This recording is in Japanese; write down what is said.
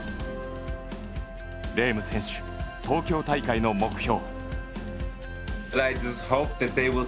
レーム選手、東京大会の目標。